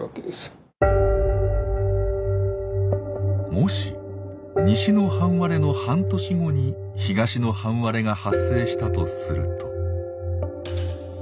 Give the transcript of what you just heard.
もし西の半割れの半年後に東の半割れが発生したとすると。